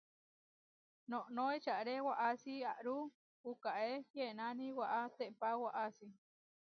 Noʼnó eʼčáre waʼási aʼáru puʼkáe kienáni waʼátépa waʼási.